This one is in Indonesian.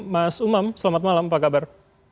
mas umam selamat malam apa kabar